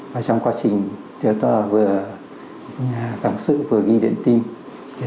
và trong quá trình tức là bệnh nhân sẽ đi theo cái quy trình cái chương trình cài đặt của máy trên cái thạp chạy